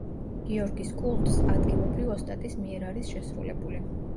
გიორგის კულტს, ადგილობრივ ოსტატის მიერ არის შესრულებული.